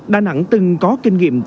đà nẵng từng có kinh nghiệm tổ chức